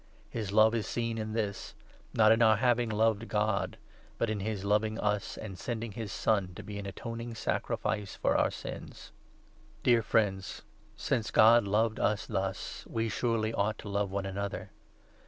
His love is seen in 10 this — not in our having loved God, but in his loving us and sending his Son to be an atoning sacrifice for our sins. Dear friends, since God loved us thus, we, surely, ought to 1 1 love one another.